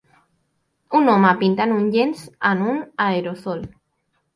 Un home pintant un llenç amb un aerosol.